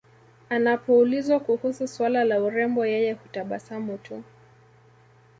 Anapoulizwa kuhusu swala la urembo yeye hutabasamu tu